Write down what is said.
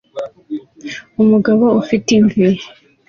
Umugabo ufite imvi